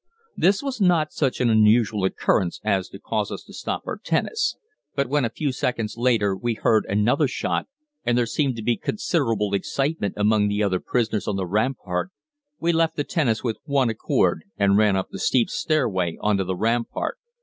This was not such an unusual occurrence as to cause us to stop our tennis; but when a few seconds later we heard another shot, and there seemed to be considerable excitement among the other prisoners on the rampart, we left the tennis with one accord and ran up the steep stairway on to the rampart.